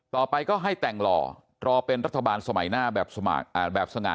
ต่อไปก็ให้แต่งหล่อรอเป็นรัฐบาลสมัยหน้าแบบสง่า